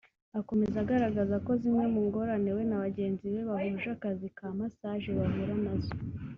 Akomeza agaragaza ko zimwe mu ngorane we na bagenzi be bahuje akazi ka “massage” bahura na zo